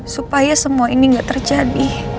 supaya semua ini nggak terjadi